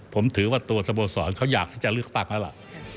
ผมถือว่าตัวสโมสรเขาอยากที่จะเลือกตั้งแล้วล่ะ